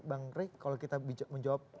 bang rey kalau kita menjawab